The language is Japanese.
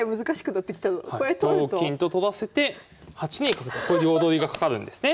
同金と取らせて８二角と両取りがかかるんですね。